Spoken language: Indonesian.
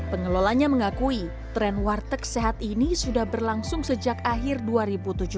pengelolanya mengakui tren warteg sehat ini sudah berlangsung sejak akhir dua ribu tujuh belas